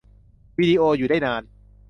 วีดิโออยู่ได้นาน